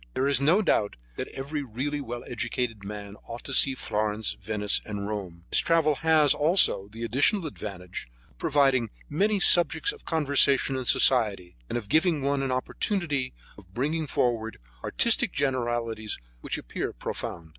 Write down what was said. There is no doubt that every really well educated man ought to see Florence, Venice and Rome. This travel has, also, the additional advantage of providing many subjects of conversation in society, and of giving one an opportunity for bringing forward artistic generalities which appear profound.